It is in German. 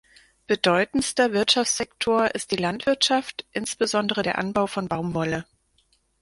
Bedeutendster Wirtschaftssektor ist die Landwirtschaft; insbesondere der Anbau von Baumwolle.